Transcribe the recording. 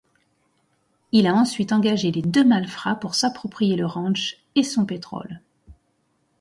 Il a ensuite engagé les deux malfrats pour s'approprier le ranch et son pétrole.